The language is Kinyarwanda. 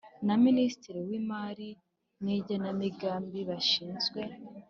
na Minisitiri w Imari n Igenamigambi bashinzwe